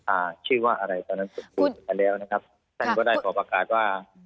อ่าชื่อว่าอะไรตอนนั้นผมพูดไปแล้วนะครับท่านก็ได้ขอประกาศว่า